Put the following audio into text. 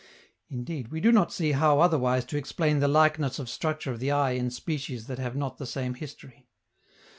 Indeed, we do not see how otherwise to explain the likeness of structure of the eye in species that have not the same history.